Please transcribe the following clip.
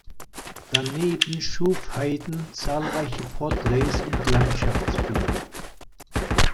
Daneben schuf Heyden zahlreiche Porträts und Landschaftsbilder.